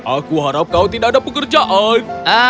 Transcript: aku harap kau tidak ada pekerjaan